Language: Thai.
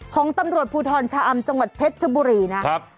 ของตำรวจภูทรชะอำจังหวัดเพชรชบุรีนะครับ